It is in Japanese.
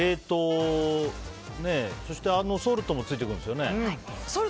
そしてソルトもついてくるんですよね。